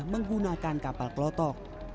menggunakan kapal pelotok